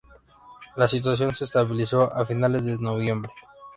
La situación se estabilizó a finales de noviembre.